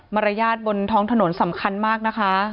รยาทบนท้องถนนสำคัญมากนะคะ